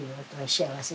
幸せ？